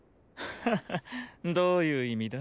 ハッハどういう意味だ？